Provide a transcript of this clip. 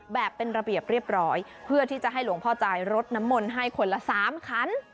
แบบเป็นระเบียบเรียบร้อยเพื่อที่จะให้หลวงพ่อจ่ายรดน้ำมนต์ให้คนละสามขัน